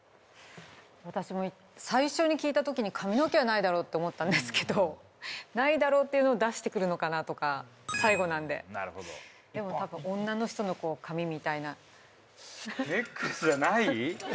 私も最初に聞いた時にかみのけはないだろうと思ったんですけど「ないだろう」っていうのを出してくるのかなとか最後なんでなるほどでもたぶんネックレスじゃない？